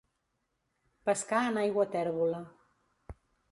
Pescar en aigua tèrbola.